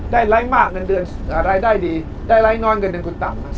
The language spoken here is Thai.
ได้ไลก์มากอะไรได้ดีได้ไลก์นอนเงินเดือนคุณต่ำ